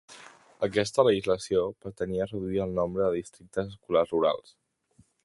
Aquesta legislació pretenia reduir el nombre de districtes escolars rurals.